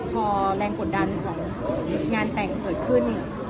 พอแรงกดดันของงานแต่งเกิดขึ้น